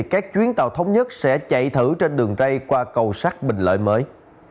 các chuyến tàu thống nhất sẽ chạy thử trên đường rây qua cầu sắt bình lợi mới